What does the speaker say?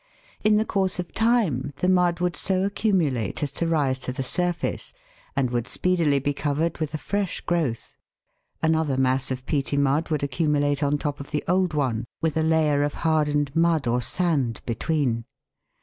In the course of time the mud would so accumulate as to rise to the surface, and would speedily be covered with a fresh growth ; another mass of peaty mud would accumulate on the top of the old one with a layer of hardened mud or sand between.